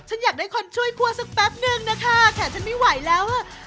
ฉันอยากได้คนช่วยคั่วสักแป๊บนึงนะคะแขนฉันไม่ไหวแล้วอ่ะ